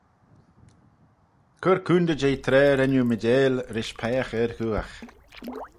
Cur coontey jeh traa ren oo meeiteil rish peiagh ard-ghooagh.